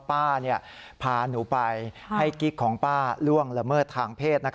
พาหนูไปให้กิ๊กของป้าล่วงละเมิดทางเพศ